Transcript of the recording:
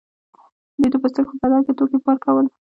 دوی د پوستکو په بدل کې توکي ورکول.